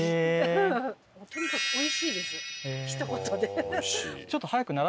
とにかくおいしいです。ひと言で。